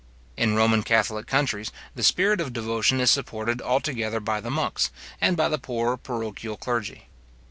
In Roman catholic countries, the spirit of devotion is supported altogether by the monks, and by the poorer parochial clergy.